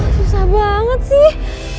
susah banget sih